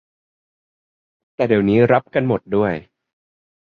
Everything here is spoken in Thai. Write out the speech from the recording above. แต่เดี๋ยวนี้รับกันหมดแล้ว